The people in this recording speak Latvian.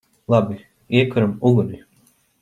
Labi. Iekuram uguni!